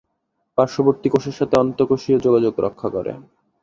পার্শ্ববর্তী কোষের সাথে আন্তঃকোষীয় যোগাযোগ রক্ষা করে।